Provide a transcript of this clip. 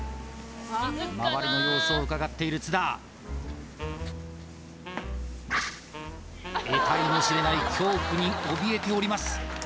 周りの様子をうかがっている津田えたいの知れない恐怖におびえております